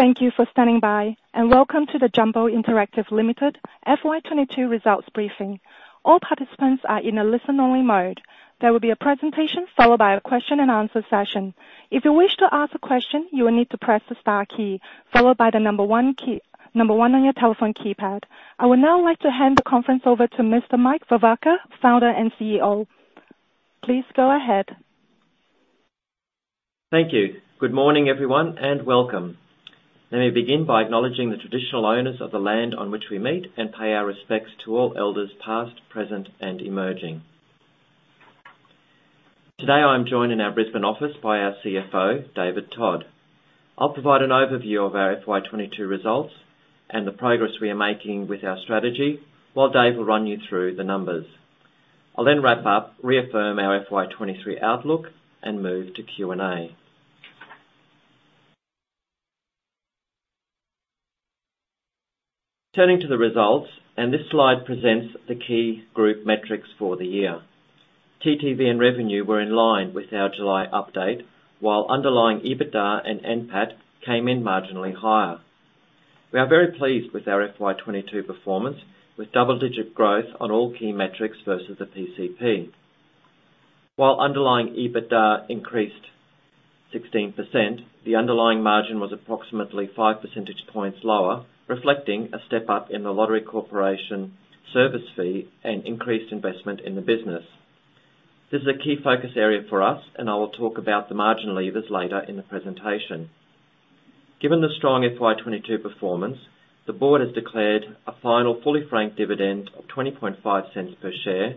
Thank you for standing by, and welcome to the Jumbo Interactive Limited FY 2022 results briefing. All participants are in a listen-only mode. There will be a presentation followed by a question-and-answer session. If you wish to ask a question, you will need to press the star key followed by the number one on your telephone keypad. I would now like to hand the conference over to Mr. Mike Veverka, Founder and CEO. Please go ahead. Thank you. Good morning, everyone, and welcome. Let me begin by acknowledging the traditional owners of the land on which we meet and pay our respects to all elders past, present, and emerging. Today, I'm joined in our Brisbane office by our CFO, David Todd. I'll provide an overview of our FY 2022 results and the progress we are making with our strategy while Dave will run you through the numbers. I'll then wrap up, reaffirm our FY 2023 outlook and move to Q&A. Turning to the results, this slide presents the key group metrics for the year. TTV and revenue were in line with our July update, while underlying EBITDA and NPAT came in marginally higher. We are very pleased with our FY 2022 performance, with double-digit growth on all key metrics versus the PCP. While underlying EBITDA increased 16%, the underlying margin was approximately five percentage points lower, reflecting a step up in The Lottery Corporation service fee and increased investment in the business. This is a key focus area for us, and I will talk about the margin levers later in the presentation. Given the strong FY 2022 performance, the board has declared a final fully franked dividend of 0.205 per share,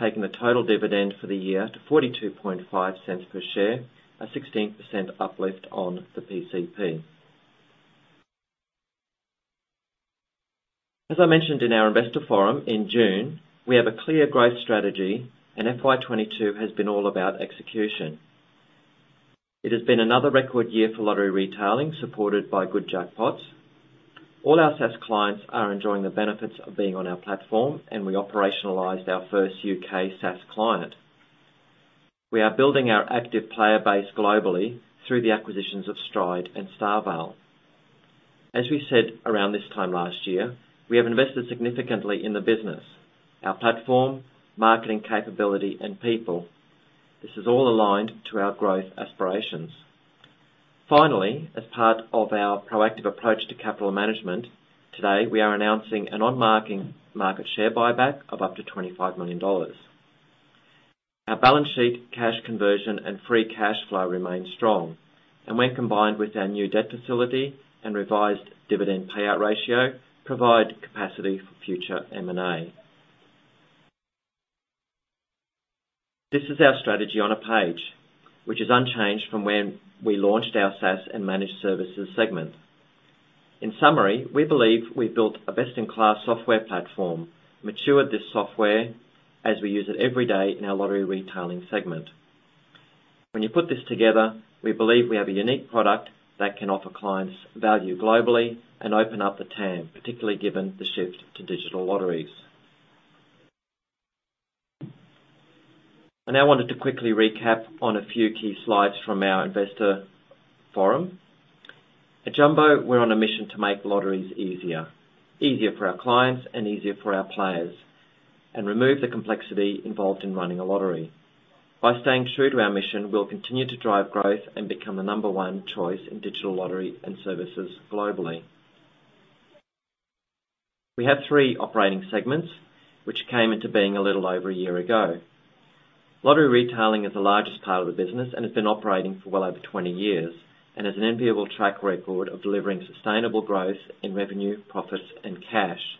taking the total dividend for the year to 0.425 per share, a 16% uplift on the PCP. As I mentioned in our investor forum in June, we have a clear growth strategy and FY 2022 has been all about execution. It has been another record year for lottery retailing supported by good jackpots. All our SaaS clients are enjoying the benefits of being on our platform, and we operationalized our first U.K. SaaS client. We are building our active player base globally through the acquisitions of Stride and StarVale. As we said around this time last year, we have invested significantly in the business, our platform, marketing capability and people. This is all aligned to our growth aspirations. Finally, as part of our proactive approach to capital management, today we are announcing an on-market share buyback of up to 25 million dollars. Our balance sheet, cash conversion and free cash flow remain strong and when combined with our new debt facility and revised dividend payout ratio provide capacity for future M&A. This is our strategy on a page which is unchanged from when we launched our SaaS and Managed Services segment. In summary, we believe we've built a best-in-class software platform, matured this software as we use it every day in our lottery retailing segment. When you put this together, we believe we have a unique product that can offer clients value globally and open up the TAM, particularly given the shift to digital lotteries. I now wanted to quickly recap on a few key slides from our investor forum. At Jumbo, we're on a mission to make lotteries easier for our clients and easier for our players, and remove the complexity involved in running a lottery. By staying true to our mission, we'll continue to drive growth and become the number one choice in digital lottery and services globally. We have three operating segments which came into being a little over a year ago. Lottery retailing is the largest part of the business and has been operating for well over 20 years and has an enviable track record of delivering sustainable growth in revenue, profits and cash.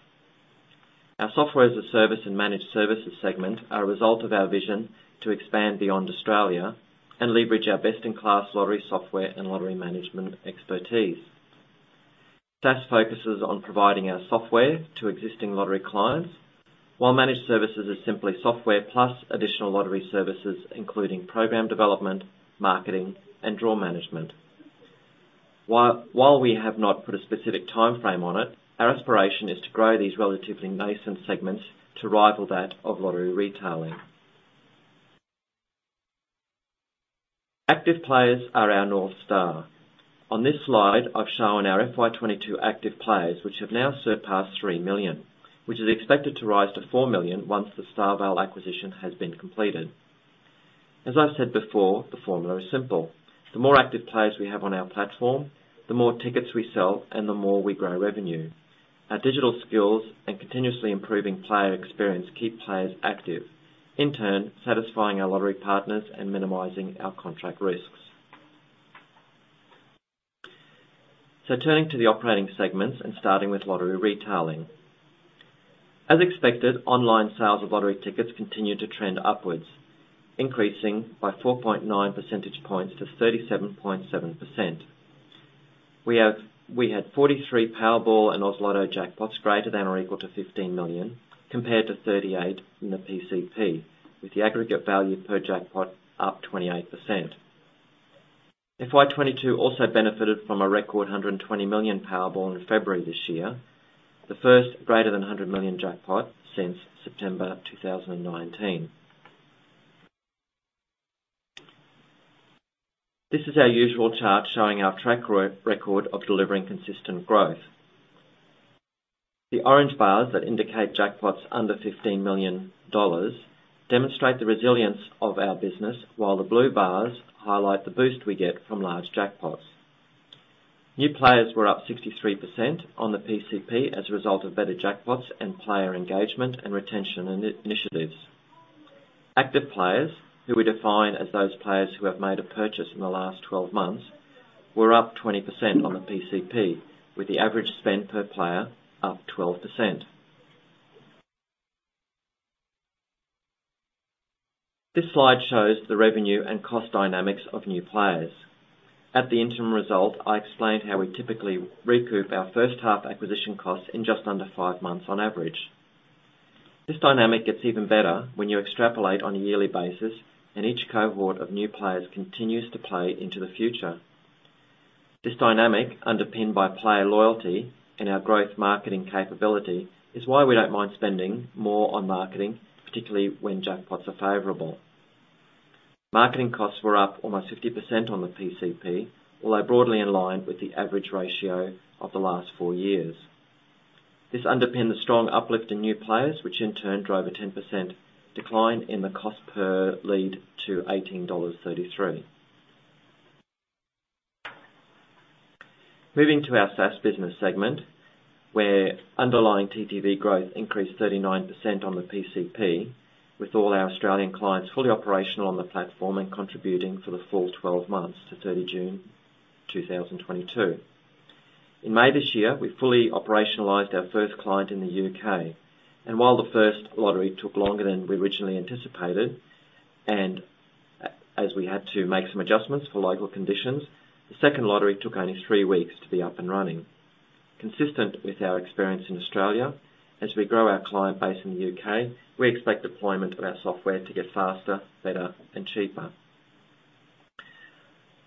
Our software as a service and managed services segment are a result of our vision to expand beyond Australia and leverage our best in class lottery software and lottery management expertise. SaaS focuses on providing our software to existing lottery clients, while managed services is simply software plus additional lottery services, including program development, marketing and draw management. While we have not put a specific time frame on it, our aspiration is to grow these relatively nascent segments to rival that of lottery retailing. Active players are our North Star. On this slide, I've shown our FY 2022 active players, which have now surpassed 3 million, which is expected to rise to 4 million once the StarVale acquisition has been completed. As I've said before, the formula is simple. The more active players we have on our platform, the more tickets we sell and the more we grow revenue. Our digital skills and continuously improving player experience keep players active, in turn satisfying our lottery partners and minimizing our contract risks. Turning to the operating segments and starting with lottery retailing. As expected, online sales of lottery tickets continued to trend upwards, increasing by 4.9 percentage points to 37.7%. We had 43 Powerball and Oz Lotto jackpots greater than or equal to 15 million, compared to 38 in the PCP, with the aggregate value per jackpot up 28%. FY 2022 also benefited from a record 120 million Powerball in February this year, the first greater than 100 million jackpot since September 2019. This is our usual chart showing our track record of delivering consistent growth. The orange bars that indicate jackpots under 15 million dollars demonstrate the resilience of our business, while the blue bars highlight the boost we get from large jackpots. New players were up 63% on the PCP as a result of better jackpots and player engagement and retention initiatives. Active players, who we define as those players who have made a purchase in the last 12 months, were up 20% on the PCP, with the average spend per player up 12%. This slide shows the revenue and cost dynamics of new players. At the interim result, I explained how we typically recoup our first half acquisition costs in just under five months on average. This dynamic gets even better when you extrapolate on a yearly basis, and each cohort of new players continues to play into the future. This dynamic, underpinned by player loyalty and our growth marketing capability, is why we don't mind spending more on marketing, particularly when jackpots are favorable. Marketing costs were up almost 50% on the PCP, although broadly in line with the average ratio of the last four years. This underpinned the strong uplift in new players, which in turn drove a 10% decline in the cost per lead to 18.33 dollars. Moving to our SaaS business segment, where underlying TTV growth increased 39% on the PCP with all our Australian clients fully operational on the platform and contributing for the full 12 months to June 30, 2022. In May this year, we fully operationalized our first client in the U.K., and while the first lottery took longer than we originally anticipated, as we had to make some adjustments for local conditions, the second lottery took only three weeks to be up and running. Consistent with our experience in Australia, as we grow our client base in the U.K., we expect deployment of our software to get faster, better and cheaper.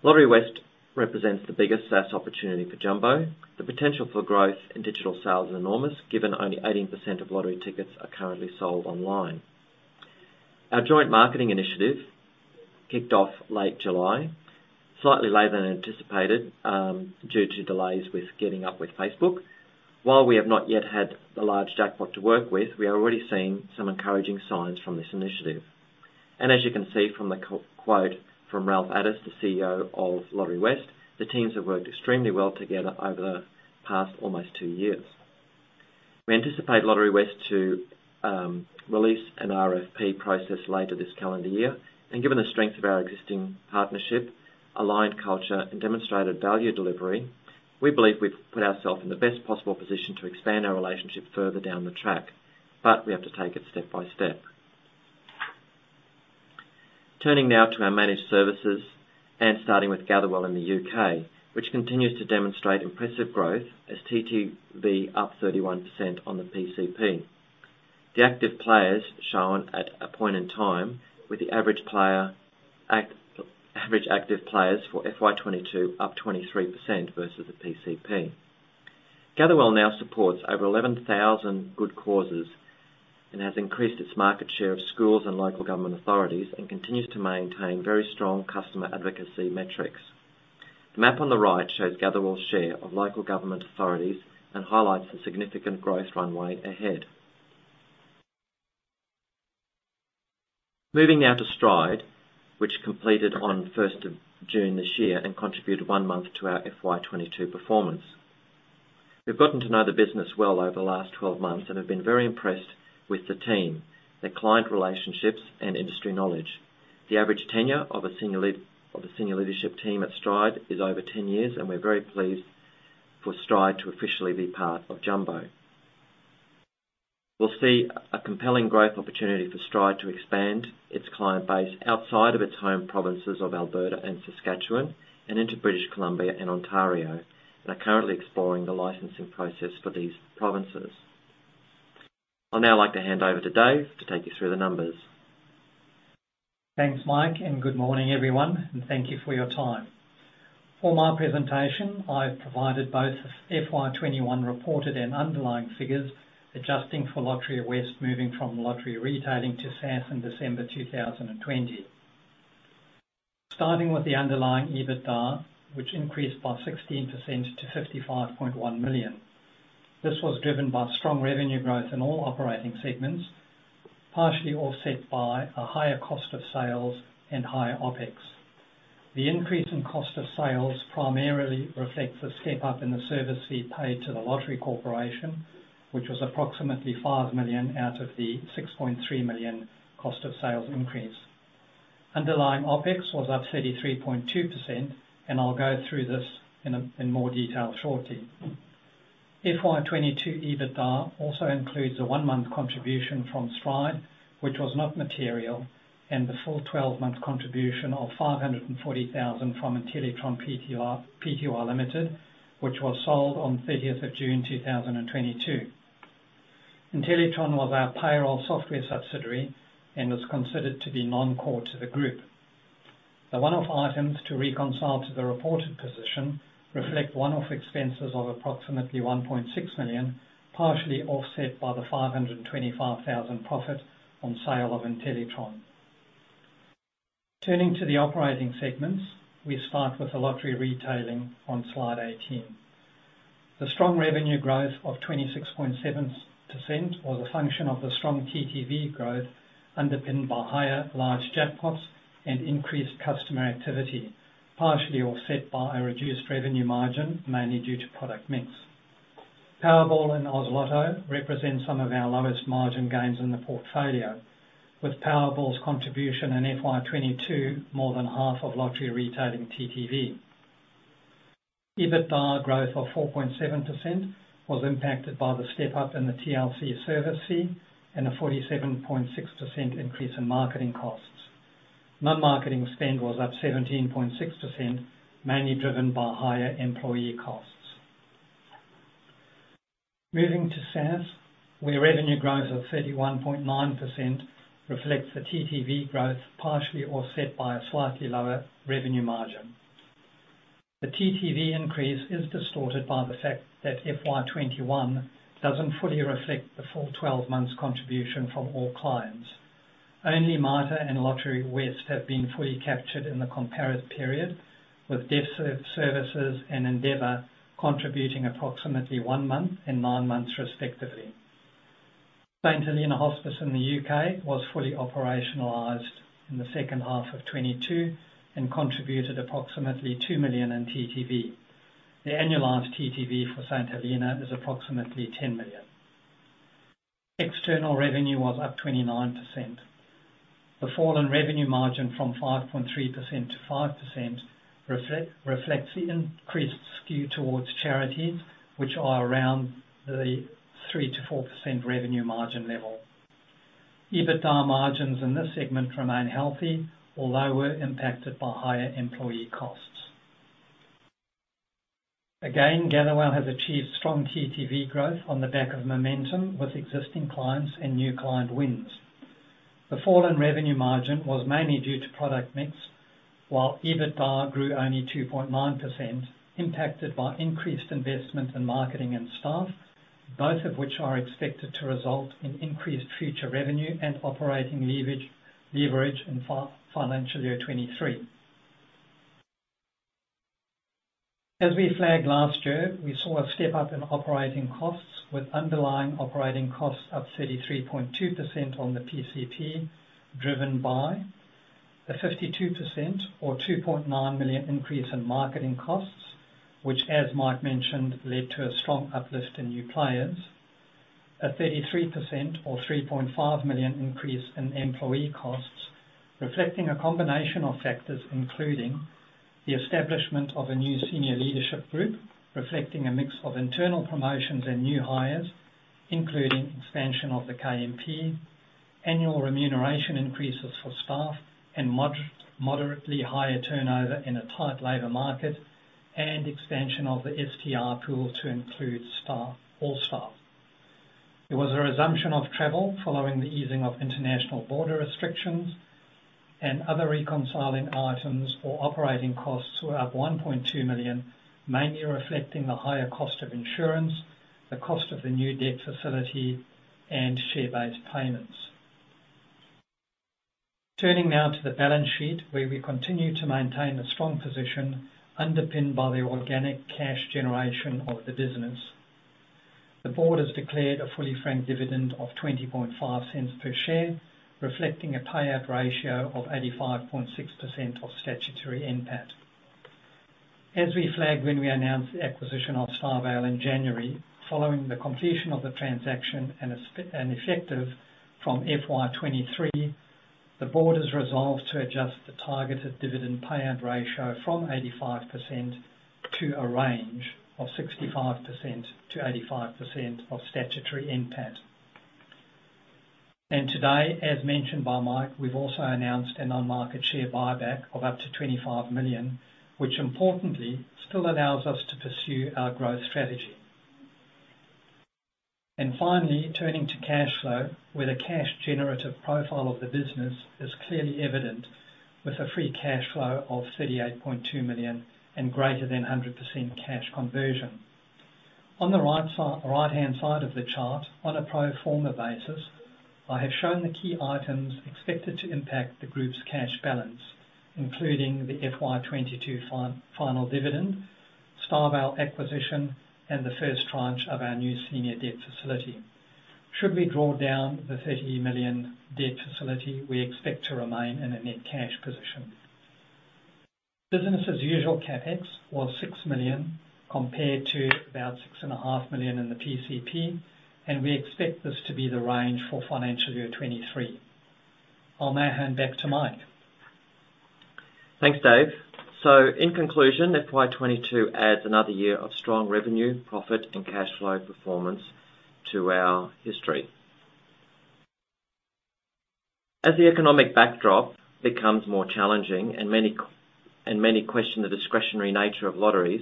Lotterywest represents the biggest SaaS opportunity for Jumbo. The potential for growth in digital sales is enormous, given only 18% of lottery tickets are currently sold online. Our joint marketing initiative kicked off late July, slightly later than anticipated, due to delays with getting up with Facebook. While we have not yet had the large jackpot to work with, we are already seeing some encouraging signs from this initiative. As you can see from the quote from Ralph Addis, the CEO of Lotterywest, the teams have worked extremely well together over the past almost two years. We anticipate Lotterywest to release an RFP process later this calendar year, and given the strength of our existing partnership, aligned culture and demonstrated value delivery, we believe we've put ourselves in the best possible position to expand our relationship further down the track, but we have to take it step by step. Turning now to our managed services and starting with Gatherwell in the U.K., which continues to demonstrate impressive growth as TTV up 31% on the PCP. The active players shown at a point in time with the average active players for FY 2022 up 23% versus the PCP. Gatherwell now supports over 11,000 good causes and has increased its market share of schools and local government authorities and continues to maintain very strong customer advocacy metrics. The map on the right shows Gatherwell's share of local government authorities and highlights the significant growth runway ahead. Moving now to Stride, which completed on June 1st, this year and contributed one month to our FY 2022 performance. We've gotten to know the business well over the last 12 months and have been very impressed with the team, their client relationships and industry knowledge. The average tenure of the senior leadership team at Stride is over 10 years, and we're very pleased for Stride to officially be part of Jumbo. We'll see a compelling growth opportunity for Stride to expand its client base outside of its home provinces of Alberta and Saskatchewan and into British Columbia and Ontario. They're currently exploring the licensing process for these provinces. I'd now like to hand over to Dave to take you through the numbers. Thanks, Mike, and good morning, everyone, and thank you for your time. For my presentation, I've provided both FY 2021 reported and underlying figures, adjusting for Lotterywest moving from lottery retailing to SaaS in December 2020. Starting with the underlying EBITDA, which increased by 16% to 55.1 million. This was driven by strong revenue growth in all operating segments, partially offset by a higher cost of sales and higher OpEx. The increase in cost of sales primarily reflects the step up in the service fee paid to The Lottery Corporation, which was approximately 5 million out of the 6.3 million cost of sales increase. Underlying OpEx was up 33.2%, and I'll go through this in more detail shortly. FY 2022 EBITDA also includes a one-month contribution from Stride, which was not material, and the full 12-month contribution of 540,000 from Intellitron Pty Ltd, which was sold on June 30th, 2022. Intellitron was our payroll software subsidiary and was considered to be non-core to the group. The one-off items to reconcile to the reported position reflect one-off expenses of approximately 1.6 million, partially offset by the 525,000 profit on sale of Intellitron. Turning to the operating segments, we start with the lottery retailing on slide 18. The strong revenue growth of 26.7% was a function of the strong TTV growth, underpinned by higher large jackpots and increased customer activity, partially offset by a reduced revenue margin, mainly due to product mix. Powerball and Oz Lotto represent some of our lowest margin gains in the portfolio, with Powerball's contribution in FY 2022 more than half of lottery retailing TTV. EBITDA growth of 4.7% was impacted by the step up in the TLC service fee and a 47.6% increase in marketing costs. Non-marketing spend was up 17.6%, mainly driven by higher employee costs. Moving to SaaS, where revenue growth of 31.9% reflects the TTV growth, partially offset by a slightly lower revenue margin. The TTV increase is distorted by the fact that FY 2021 doesn't fully reflect the full 12 months contribution from all clients. Only Mater and Lotterywest have been fully captured in the comparative period, with Deaf Services and Endeavour contributing approximately one month and nine months respectively. St. Helena Hospice in the U.K. was fully operationalized in the second half of 2022 and contributed approximately 2 million in TTV. The annualized TTV for St Helena is approximately 10 million. External revenue was up 29%. The foreign revenue margin from 5.3% to 5% reflects the increased skew towards charities, which are around the 3%-4% revenue margin level. EBITDA margins in this segment remain healthy, although were impacted by higher employee costs. Gatherwell has achieved strong TTV growth on the back of momentum with existing clients and new client wins. The foreign revenue margin was mainly due to product mix, while EBITDA grew only 2.9% impacted by increased investment in marketing and staff, both of which are expected to result in increased future revenue and operating leverage in financial year 2023. As we flagged last year, we saw a step up in operating costs with underlying operating costs up 33.2% on the PCP, driven by the 52% or 2.9 million increase in marketing costs, which as Mike mentioned, led to a strong uplift in new players. A 33% or 3.5 million increase in employee costs, reflecting a combination of factors, including the establishment of a new senior leadership group, reflecting a mix of internal promotions and new hires, including expansion of the KMP, annual remuneration increases for staff and moderately higher turnover in a tight labor market, and expansion of the STI pool to include staff, all staff. There was a resumption of travel following the easing of international border restrictions and other reconciling items for operating costs were up 1.2 million, mainly reflecting the higher cost of insurance, the cost of the new debt facility, and share-based payments. Turning now to the balance sheet, where we continue to maintain a strong position underpinned by the organic cash generation of the business. The board has declared a fully franked dividend of 0.205 per share, reflecting a payout ratio of 85.6% of statutory NPAT. As we flagged when we announced the acquisition of StarVale in January, following the completion of the transaction and effective from FY 2023, the board has resolved to adjust the targeted dividend payout ratio from 85% to a range of 65%-85% of statutory NPAT. Today, as mentioned by Mike, we've also announced an on-market share buyback of up to 25 million, which importantly still allows us to pursue our growth strategy. Finally, turning to cash flow, where the cash generative profile of the business is clearly evident with a free cash flow of 38.2 million and greater than 100% cash conversion. On the right-hand side of the chart, on a pro forma basis, I have shown the key items expected to impact the group's cash balance, including the FY 2022 final dividend, StarVale acquisition, and the first tranche of our new senior debt facility. Should we draw down the 30 million debt facility, we expect to remain in a net cash position. Business as usual CapEx was 6 million, compared to about 6.5 million in the PCP, and we expect this to be the range for financial year 2023. I'll now hand back to Mike. Thanks, Dave. In conclusion, FY 2022 adds another year of strong revenue, profit and cash flow performance to our history. As the economic backdrop becomes more challenging and many question the discretionary nature of lotteries.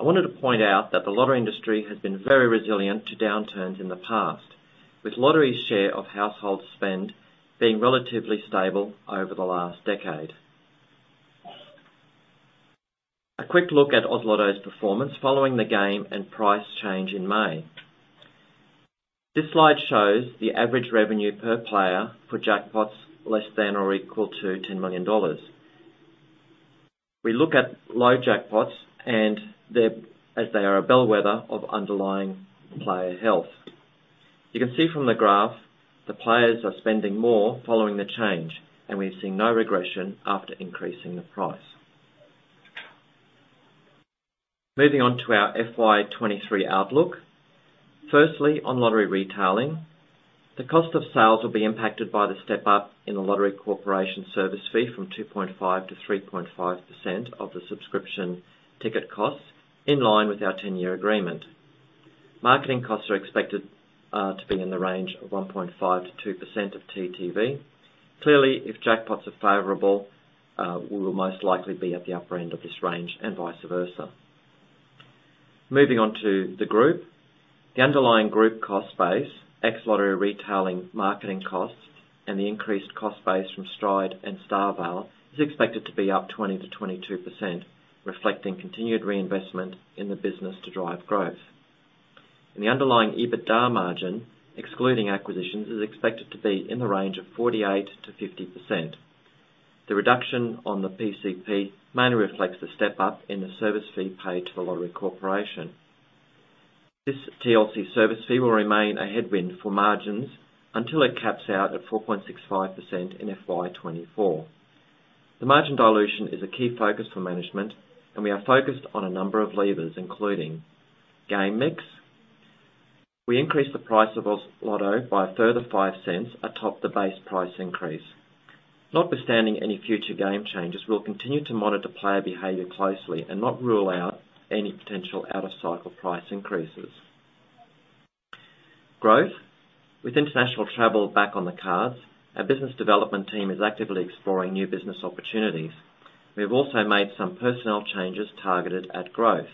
I wanted to point out that the lottery industry has been very resilient to downturns in the past, with lottery share of household spend being relatively stable over the last decade. A quick look at Oz Lotto's performance following the game and price change in May. This slide shows the average revenue per player for jackpots less than or equal to 10 million dollars. We look at low jackpots and as they are a bellwether of underlying player health. You can see from the graph the players are spending more following the change, and we've seen no regression after increasing the price. Moving on to our FY 2023 outlook. Firstly, on lottery retailing, the cost of sales will be impacted by the step-up in The Lottery Corporation service fee from 2.5% to 3.5% of the subscription ticket costs in line with our 10-year agreement. Marketing costs are expected to be in the range of 1.5%-2% of TTV. Clearly, if jackpots are favorable, we will most likely be at the upper end of this range and vice versa. Moving on to the group. The underlying group cost base, ex lottery retailing marketing costs and the increased cost base from Stride and StarVale is expected to be up 20%-22%, reflecting continued reinvestment in the business to drive growth. The underlying EBITDA margin, excluding acquisitions, is expected to be in the range of 48%-50%. The reduction on the PCP mainly reflects the step-up in the service fee paid to The Lottery Corporation. This TLC service fee will remain a headwind for margins until it caps out at 4.65% in FY 2024. The margin dilution is a key focus for management, and we are focused on a number of levers, including game mix. We increased the price of Oz Lotto by a further 0.05 atop the base price increase. Notwithstanding any future game changes, we'll continue to monitor player behavior closely and not rule out any potential out-of-cycle price increases. Growth. With international travel back on the cards, our business development team is actively exploring new business opportunities. We have also made some personnel changes targeted at growth.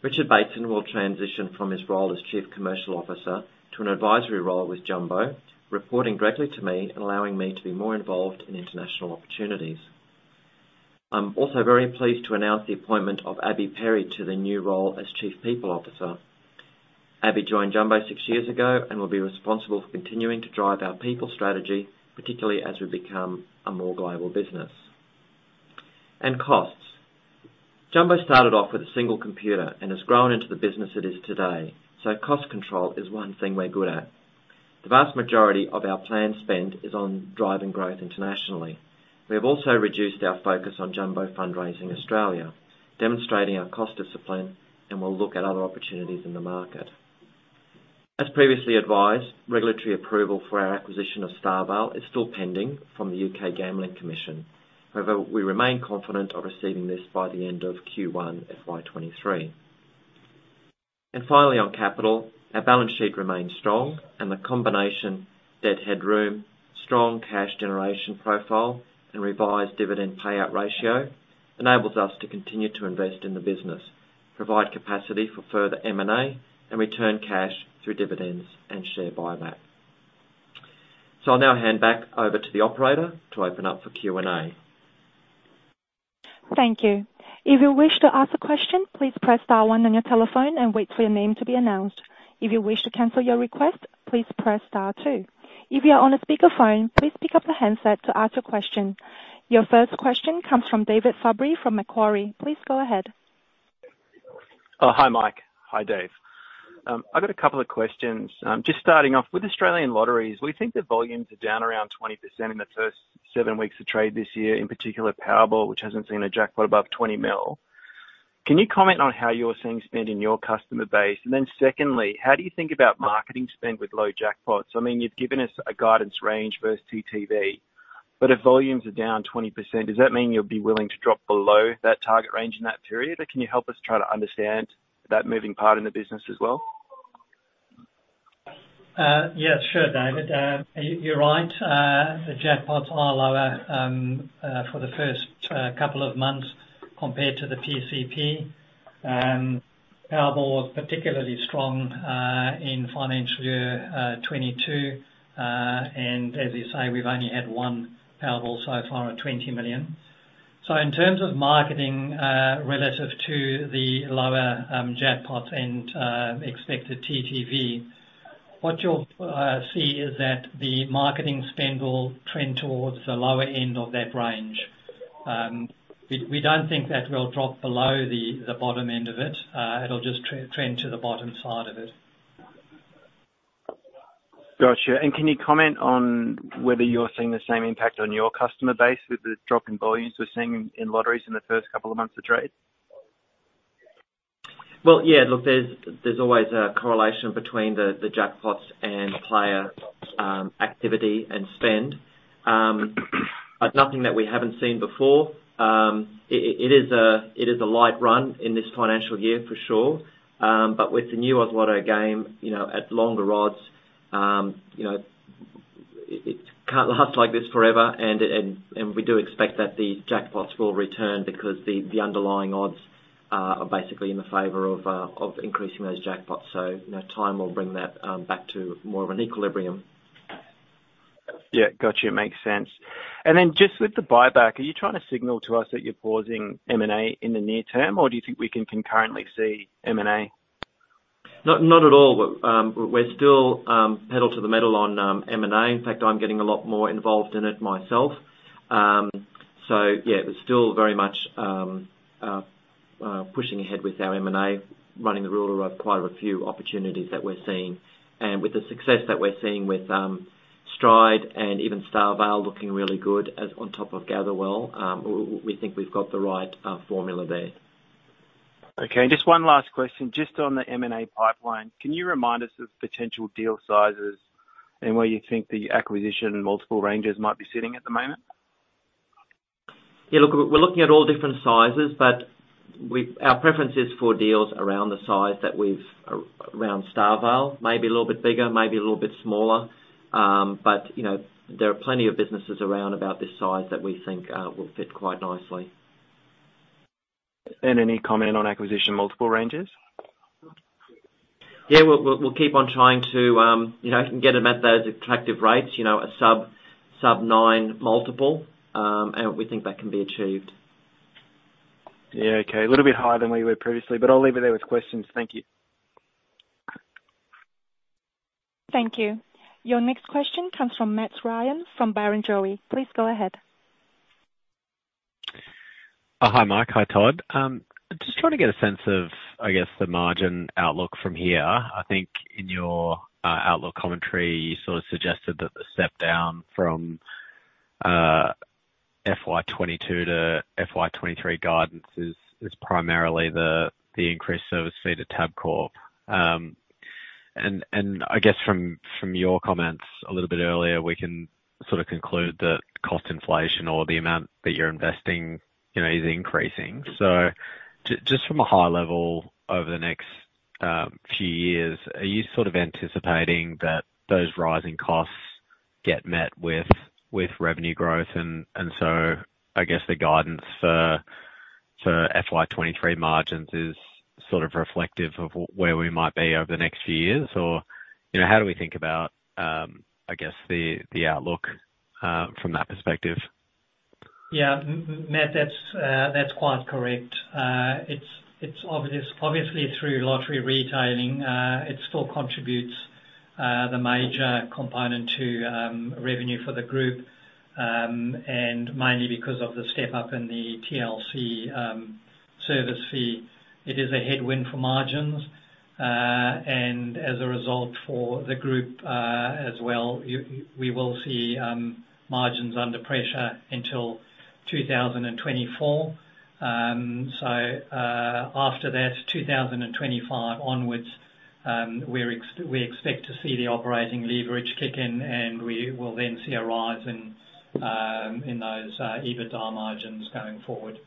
Richard Bateson will transition from his role as Chief Commercial Officer to an advisory role with Jumbo, reporting directly to me and allowing me to be more involved in international opportunities. I'm also very pleased to announce the appointment of Abby Perry to the new role as Chief People Officer. Abby joined Jumbo six years ago and will be responsible for continuing to drive our people strategy, particularly as we become a more global business. Costs. Jumbo started off with a single computer and has grown into the business it is today. Cost control is one thing we're good at. The vast majority of our planned spend is on driving growth internationally. We have also reduced our focus on Jumbo Fundraising Australia, demonstrating our cost discipline, and we'll look at other opportunities in the market. As previously advised, regulatory approval for our acquisition of StarVale is still pending from the U.K. Gambling Commission. However, we remain confident of receiving this by the end of Q1 FY 2023. Finally on capital. Our balance sheet remains strong and the combination, debt headroom, strong cash generation profile, and revised dividend payout ratio enables us to continue to invest in the business, provide capacity for further M&A, and return cash through dividends and share buyback. I'll now hand back over to the operator to open up for Q&A. Thank you. If you wish to ask a question, please press star-one on your telephone and wait for your name to be announced. If you wish to cancel your request, please press star-two. If you are on a speakerphone, please pick up the handset to ask your question. Your first question comes from David Fabris from Macquarie. Please go ahead. Oh, hi, Mike. Hi, Dave. I've got a couple of questions. Just starting off, with Australian lotteries, we think the volumes are down around 20% in the first seven weeks of trade this year, in particular Powerball, which hasn't seen a jackpot above 20 million. Can you comment on how you're seeing spend in your customer base? Then secondly, how do you think about marketing spend with low jackpots? I mean, you've given us a guidance range versus TTV, but if volumes are down 20%, does that mean you'll be willing to drop below that target range in that period? Can you help us try to understand that moving part in the business as well? Yes, sure, David. You're right, the jackpots are lower for the first couple of months compared to the PCP. Powerball was particularly strong in financial year 2022. As you say, we've only had one Powerball so far at 20 million. In terms of marketing, relative to the lower jackpot and expected TTV, what you'll see is that the marketing spend will trend towards the lower end of that range. We don't think that we'll drop below the bottom end of it. It'll just trend to the bottom side of it. Got you. Can you comment on whether you're seeing the same impact on your customer base with the drop in volumes we're seeing in lotteries in the first couple of months of trade? Well, yeah, look, there's always a correlation between the jackpots and player activity and spend. But nothing that we haven't seen before. It is a light run in this financial year for sure. But with the new Oz Lotto game, you know, at longer odds, you know, can't last like this forever. We do expect that the jackpots will return because the underlying odds are basically in the favor of increasing those jackpots. You know, time will bring that back to more of an equilibrium. Yeah. Got you. Makes sense. Just with the buyback, are you trying to signal to us that you're pausing M&A in the near-term, or do you think we can concurrently see M&A? Not at all. We're still pedal to the metal on M&A. In fact, I'm getting a lot more involved in it myself. Yeah, we're still very much pushing ahead with our M&A, running the rule over quite a few opportunities that we're seeing. With the success that we're seeing with Stride and even StarVale looking really good on top of Gatherwell, we think we've got the right formula there. Okay. Just one last question, just on the M&A pipeline, can you remind us of potential deal sizes and where you think the acquisition and multiple ranges might be sitting at the moment? Yeah, look, we're looking at all different sizes, but our preference is for deals around the size that we've around StarVale. Maybe a little bit bigger, maybe a little bit smaller. You know, there are plenty of businesses around about this size that we think will fit quite nicely. Any comment on acquisition multiple ranges? Yeah. We'll keep on trying to, you know, can get them at those attractive rates, you know, a sub-nine multiple. We think that can be achieved. Yeah. Okay. A little bit higher than where you were previously, but I'll leave it there with questions. Thank you. Thank you. Your next question comes from Matt Ryan from Barrenjoey. Please go ahead. Hi, Mike. Hi, Todd. Just trying to get a sense of, I guess, the margin outlook from here. I think in your outlook commentary, you sort of suggested that the step down from FY 2022 to FY 2023 guidance is primarily the increased service fee to Tabcorp. I guess from your comments a little bit earlier, we can sort of conclude that cost inflation or the amount that you're investing, you know, is increasing. Just from a high level over the next few years, are you sort of anticipating that those rising costs get met with revenue growth? I guess the guidance for FY 2023 margins is sort of reflective of where we might be over the next few years? You know, how do we think about, I guess, the outlook from that perspective? Yeah. Matt, that's quite correct. It's obviously, through lottery retailing, it still contributes the major component to revenue for the group and mainly because of the step up in the TLC service fee. It is a headwind for margins. As a result for the group, as well, we will see margins under pressure until 2024. After that, 2025 onwards, we expect to see the operating leverage kick in, and we will then see a rise in those EBITDA margins going forward.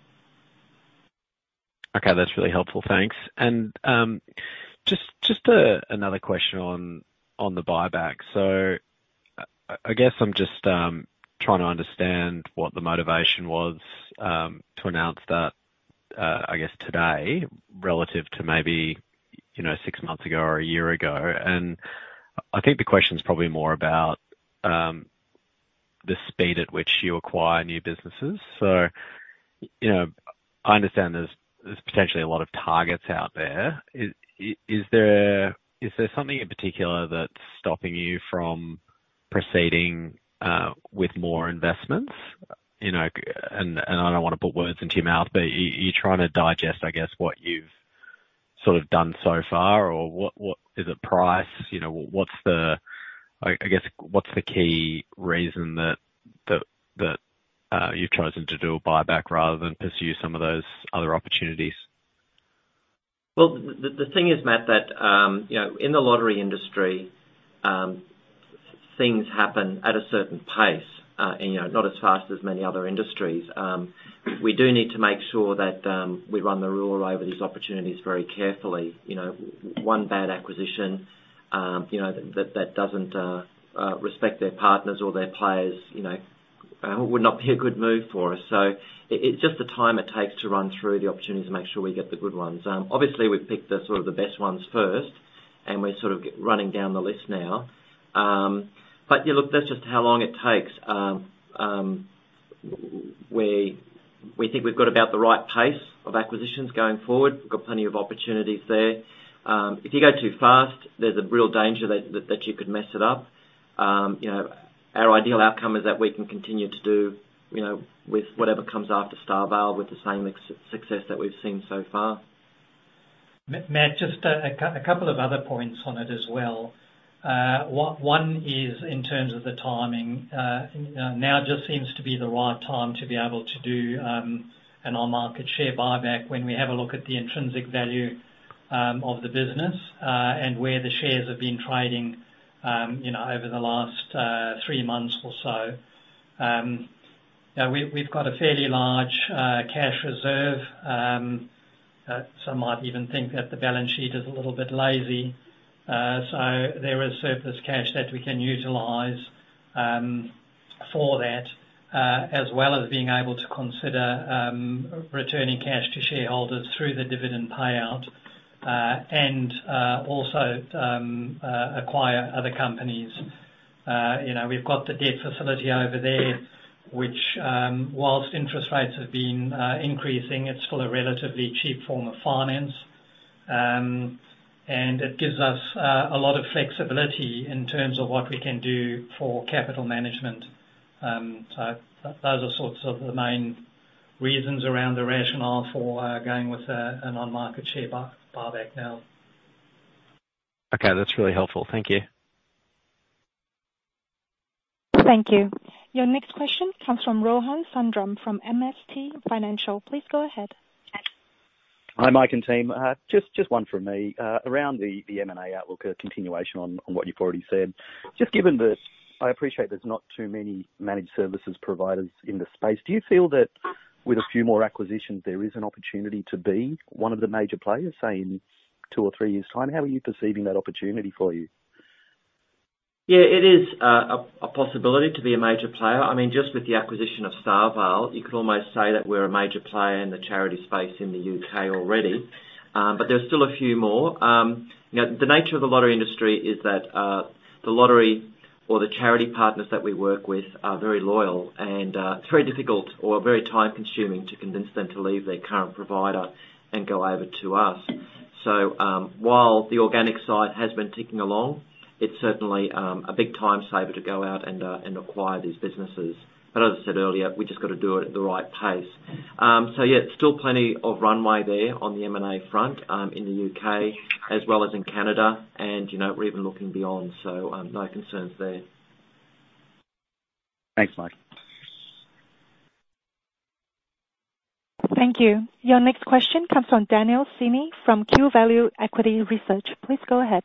Okay. That's really helpful. Thanks. Just another question on the buyback. I guess I'm just trying to understand what the motivation was to announce that, I guess today relative to maybe, you know, six months ago or a year ago. I think the question is probably more about the speed at which you acquire new businesses. You know, I understand there's potentially a lot of targets out there. Is there something in particular that's stopping you from proceeding with more investments? You know, and I don't want to put words into your mouth, but are you trying to digest, I guess, what you've sort of done so far or is it price? I guess, what's the key reason that you've chosen to do a buyback rather than pursue some of those other opportunities? Well, the thing is, Matt, that, you know, in the lottery industry, things happen at a certain pace, and, you know, not as fast as many other industries. We do need to make sure that we run the rule over these opportunities very carefully. You know, one bad acquisition, you know, that doesn't respect their partners or their players, you know, would not be a good move for us. It's just the time it takes to run through the opportunities to make sure we get the good ones. Obviously we've picked the sort of the best ones first, and we're sort of running down the list now. But yeah, look, that's just how long it takes. We think we've got about the right pace of acquisitions going forward. We've got plenty of opportunities there. If you go too fast, there's a real danger that you could mess it up. You know, our ideal outcome is that we can continue to do, you know, with whatever comes after StarVale with the same success that we've seen so far. Matt, just a couple of other points on it as well. One is in terms of the timing. Now just seems to be the right time to be able to do an on-market share buyback when we have a look at the intrinsic value of the business and where the shares have been trading, you know, over the last three months or so. Yeah, we've got a fairly large cash reserve. Some might even think that the balance sheet is a little bit lazy. There is surplus cash that we can utilize for that, as well as being able to consider returning cash to shareholders through the dividend payout, and also acquire other companies. You know, we've got the debt facility over there, which, while interest rates have been increasing, it's still a relatively cheap form of finance. It gives us a lot of flexibility in terms of what we can do for capital management. Those are sort of the main reasons around the rationale for going with an on-market share buyback now. Okay, that's really helpful. Thank you. Thank you. Your next question comes from Rohan Sundram from MST Financial. Please go ahead. Hi, Mike and team. Just one from me. Around the M&A outlook, a continuation on what you've already said. Just given that I appreciate there's not too many managed services providers in this space, do you feel that with a few more acquisitions, there is an opportunity to be one of the major players, say, in two or three years' time? How are you perceiving that opportunity for you? Yeah, it is a possibility to be a major player. I mean, just with the acquisition of StarVale, you could almost say that we're a major player in the charity space in the U.K. already. There's still a few more. You know, the nature of the lottery industry is that the lottery or the charity partners that we work with are very loyal and it's very difficult or very time-consuming to convince them to leave their current provider and go over to us. While the organic side has been ticking along, it's certainly a big time saver to go out and acquire these businesses. As I said earlier, we just gotta do it at the right pace. Yeah, still plenty of runway there on the M&A front, in the U.K. as well as in Canada, and, you know, we're even looking beyond. No concerns there. Thanks, Mike. Thank you. Your next question comes from Daniel Seeney from Q Value Equity Research. Please go ahead.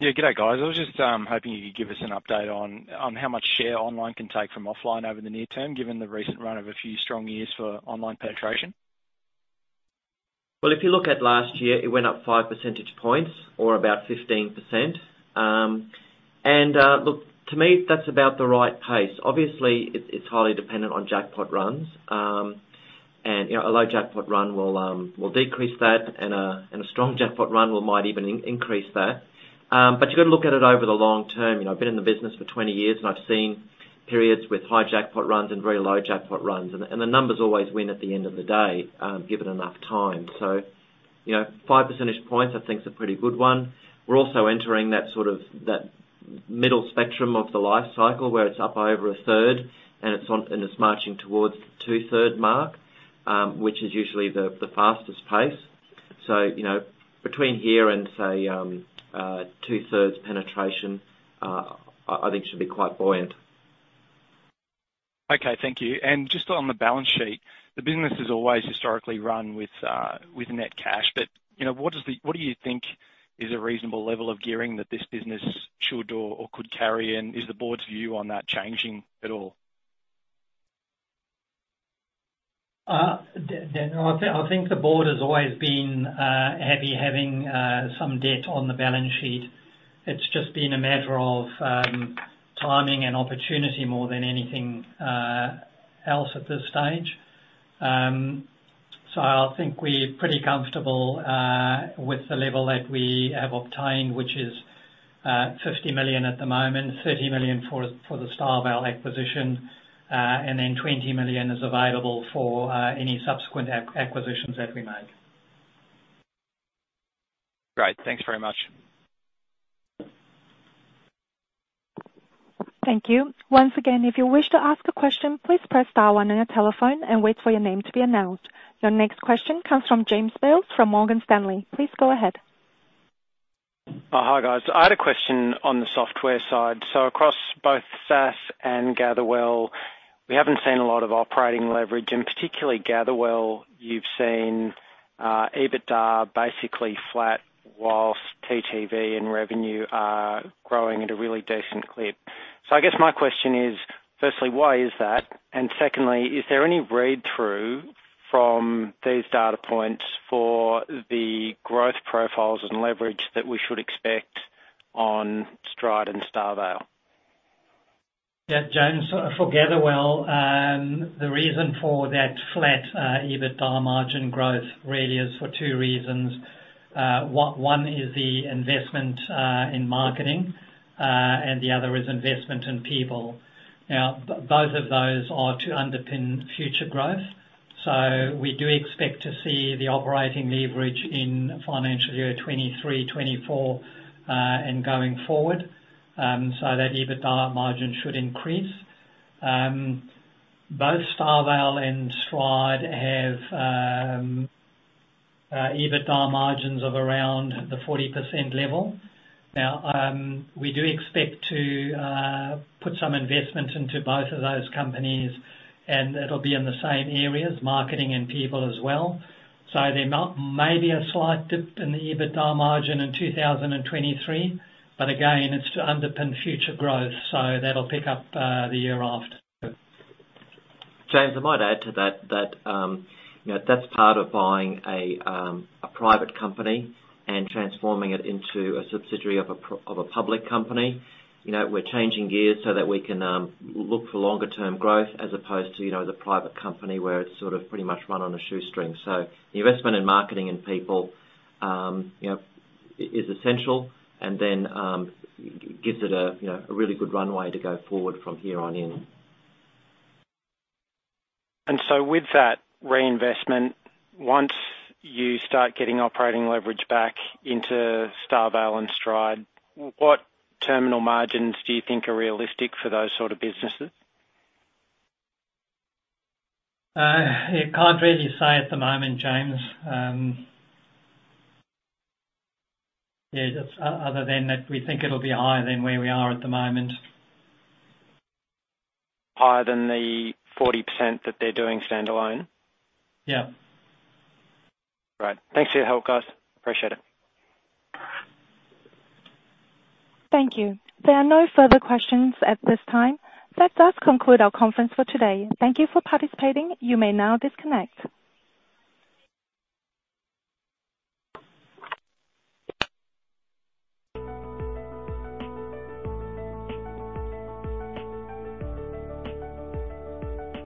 Yeah, good day, guys. I was just hoping you could give us an update on how much share online can take from offline over the near-term, given the recent run of a few strong years for online penetration? Well, if you look at last year, it went up five percentage points or about 15%. Look, to me, that's about the right pace. Obviously, it's highly dependent on jackpot runs. You know, a low jackpot run will decrease that and a strong jackpot run might even increase that. But you got to look at it over the long term. You know, I've been in the business for 20 years, and I've seen periods with high jackpot runs and very low jackpot runs, and the numbers always win at the end of the day, given enough time. You know, five percentage points I think is a pretty good one. We're also entering that sort of that middle spectrum of the life cycle, where it's up by over 1/3 and it's on, it's marching towards the 2/3 mark, which is usually the fastest pace. You know, between here and say, 2/3 penetration, I think should be quite buoyant. Okay, thank you. Just on the balance sheet, the business is always historically run with net cash. You know, what do you think is a reasonable level of gearing that this business should or could carry, and is the board's view on that changing at all? Daniel, I think the board has always been happy having some debt on the balance sheet. It's just been a matter of timing and opportunity more than anything else at this stage. I think we're pretty comfortable with the level that we have obtained, which is 50 million at the moment, 30 million for the StarVale acquisition, and then 20 million is available for any subsequent acquisitions that we make. Great. Thanks very much. Thank you. Once again, if you wish to ask a question, please press star-one on your telephone and wait for your name to be announced. Your next question comes from James Bales from Morgan Stanley. Please go ahead. Hi, guys. I had a question on the software side. Across both SaaS and Gatherwell, we haven't seen a lot of operating leverage, and particularly Gatherwell, you've seen EBITDA basically flat while TTV and revenue are growing at a really decent clip. I guess my question is, firstly, why is that? Secondly, is there any read-through from these data points for the growth profiles and leverage that we should expect on Stride and StarVale? Yeah, James, for Gatherwell, the reason for that flat EBITDA margin growth really is for two reasons. One is the investment in marketing, and the other is investment in people. Now, both of those are to underpin future growth, so we do expect to see the operating leverage in financial year 2023, 2024, and going forward, so that EBITDA margin should increase. Both StarVale and Stride have EBITDA margins of around the 40% level. Now, we do expect to put some investment into both of those companies, and it'll be in the same areas, marketing and people as well. There might be a slight dip in the EBITDA margin in 2023, but again, it's to underpin future growth, so that'll pick up the year after. James, I might add to that, you know, that's part of buying a private company and transforming it into a subsidiary of a public company. You know, we're changing gears so that we can look for longer-term growth as opposed to, you know, the private company where it's sort of pretty much run on a shoestring. The investment in marketing and people, you know, is essential and then gives it a really good runway to go forward from here on in. With that reinvestment, once you start getting operating leverage back into StarVale and Stride, what terminal margins do you think are realistic for those sort of businesses? Yeah, can't really say at the moment, James. Yeah, just other than that, we think it'll be higher than where we are at the moment. Higher than the 40% that they're doing standalone? Yeah. All right. Thanks for your help, guys. Appreciate it. Thank you. There are no further questions at this time. That does conclude our conference for today. Thank you for participating. You may now disconnect.